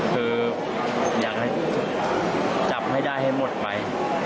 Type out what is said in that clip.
คืออยากให้จับให้ได้ให้หมดไป